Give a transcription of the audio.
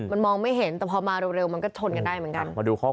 มันมองไม่เห็นแต่พอมาเร็วมันก็ชนกันได้เหมือนกัน